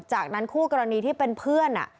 จากนั้นคู่กรณีที่เป็นเพื่อน